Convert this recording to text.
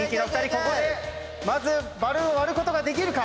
ここでまずバルーンを割ることができるか？